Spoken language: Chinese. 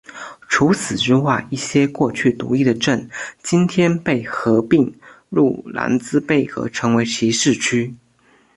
除此之外一些过去独立的镇今天被合并入兰茨贝格成为其市区。